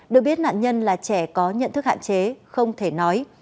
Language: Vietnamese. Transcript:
được biết nạn nhân là trẻ có nhận thức hạn chế không thể nói